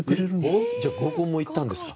ええ！じゃあ合コンも行ったんですか？